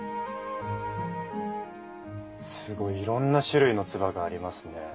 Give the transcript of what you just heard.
すごいいろんな種類の鐔がありますね。